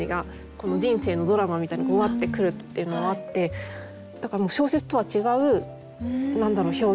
この人生のドラマみたいのがうわって来るっていうのもあってだから小説とは違う表現。